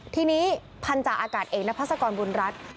ทีนี้พันธาอากาศเอกนพัศกรบุญรัฐ